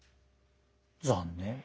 残念。